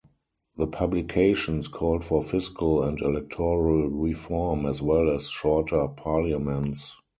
The publications called for fiscal and electoral reform as well as shorter parliaments.